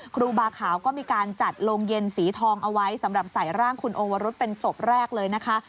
ครูบาขาวก็มีการจัดโรงเย็นสีทองเอาไว้สำหรับใส่ร่างคุณโอวรุษเป็นศพแรกเลยนะคะ